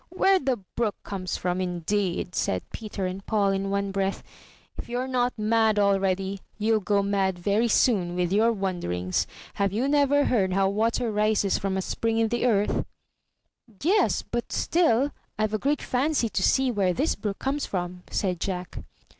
Where the brook comes from, indeed!'' said Peter and Paul in one breath. ''If you're not mad already, you'll go mad very soon, with your wonderings. Have you never heard how water rises from a spring in the earth?" ''Yes; but still I've a great fancy to see where this brook comes from," said Jack.